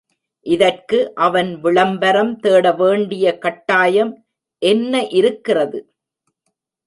இதற்கு அவன் விளம்பரம் தேட வேண்டிய கட்டாயம் என்ன இருக்கிறது?